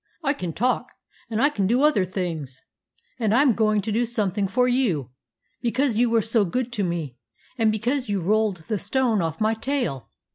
" I can talk and I can do other things, and I 'm going to do something for you, because you were so good to me and because you rolled the stone off my tail."